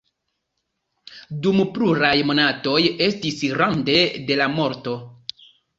Dum pluraj monatoj estis rande de la morto.